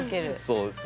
そうです。